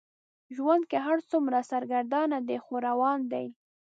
ژوند که هر څومره سرګردان دی خو روان دی.